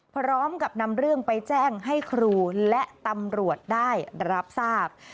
พร้อมกับนำเรื่องไปแจ้งให้ครูและตำรวจได้รับทราบ